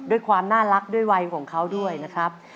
ด้วยความน่ารักด้วยวัยของเขาด้วยนะครับ